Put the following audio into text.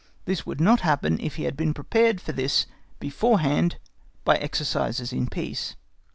This would not happen if he had been prepared for this beforehand by exercises in peace.